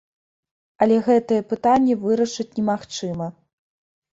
Але гэтае пытанне вырашыць немагчыма.